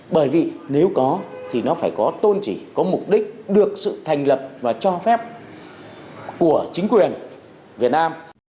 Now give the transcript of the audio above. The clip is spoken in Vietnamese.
bởi vì nếu có thì nó phải có tôn chỉ có mục đích được sự thành lập và cho phép của chính quyền việt nam